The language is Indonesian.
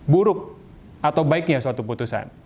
buruk atau baiknya suatu putusan